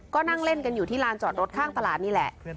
ก็นั่งเล่นกันอยู่ที่ลานจอดรถข้างตลาดนี่แหละ